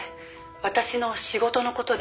私の仕事の事で」